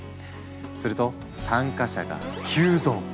すると参加者が急増！